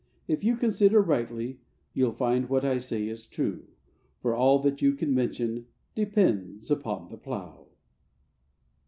If you consider rightly, you'll find what I say is true, For all that you can mention depends upon the plough.